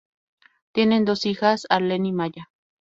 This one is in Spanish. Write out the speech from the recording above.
Tienen dos hijas: Arlen y Maya.